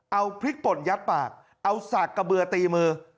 เอาพริกป่นยัดปากเอาสากกระเบือตีมือ